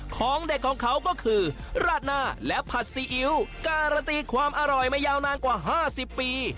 ของเด็ดของเขาก็คือราดหน้าและผัดซีอิ๊วการันตีความอร่อยมายาวนานกว่า๕๐ปี